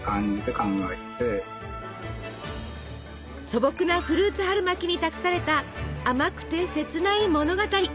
素朴なフルーツ春巻きに託された甘くて切ない物語。